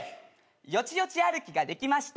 よちよち歩きができました。